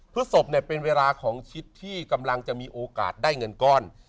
พฤศพเนี่ยเป็นเวลาของชิดที่กำลังจะมีโอกาสได้เงินก้อน